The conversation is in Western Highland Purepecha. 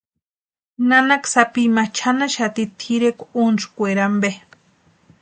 Nanaka sapi ma chʼanaxati tʼirekwa úntskweeri ampe.